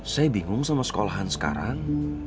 saya bingung sama sekolahan sekarang